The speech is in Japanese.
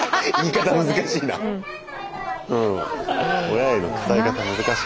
親への伝え方難しい。